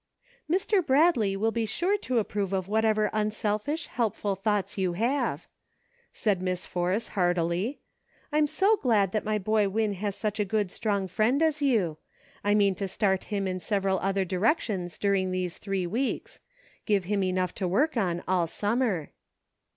" Mr. Bradley will be sure to approve of what ever unselfish, helpful thoughts you have," said Miss Force, heartily ;" I'm so glad that my boy Win has such a good strong friend as you. I mean to start him in several other directions during 1 68 SAGE CONCLUSIONS. these three weeks ; give him enough to work on all summer."